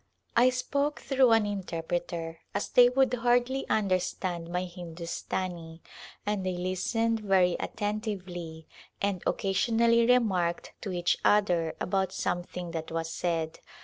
I spoke through an interpreter, as they would hardly understand my Hindustani, and they listened very attentively and oc Call to Rajpiitana casionally remarked to each other about something that was said.